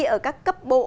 ở các cấp bộ